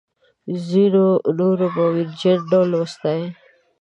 ځینو نورو په ویرجن ډول وستایه.